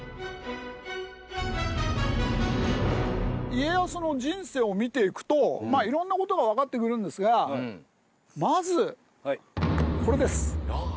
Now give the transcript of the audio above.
家康の人生を見ていくといろんなことが分かってくるんですがまずこれです。